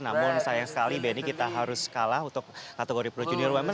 namun sayang sekali benny kita harus kalah untuk kategori pro junior women